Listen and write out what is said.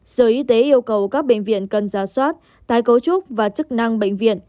sở y tế yêu cầu các bệnh viện cần ra soát tái cấu trúc và chức năng bệnh viện